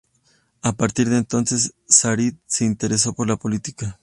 A partir de entonces, Sarit se interesó por la política.